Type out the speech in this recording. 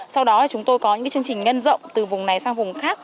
sau đó chúng tôi có những chương trình nhân rộng từ vùng này sang vùng khác